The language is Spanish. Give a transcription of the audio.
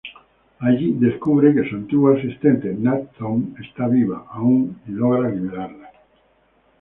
Allí descubre que su antigua asistente Na’Thoth está viva aún y logra liberarla.